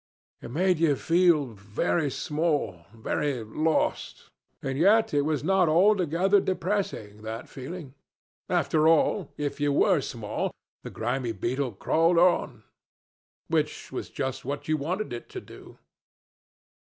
It made you feel very small, very lost, and yet it was not altogether depressing, that feeling. After all, if you were small, the grimy beetle crawled on which was just what you wanted it to do.